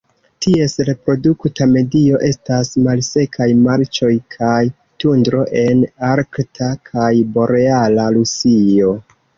Ties reprodukta medio estas malsekaj marĉoj kaj tundro en arkta kaj boreala Rusio.